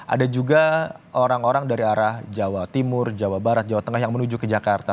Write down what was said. ada juga orang orang dari arah jawa timur jawa barat jawa tengah yang menuju ke jakarta